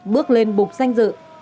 bước lên bục danh dự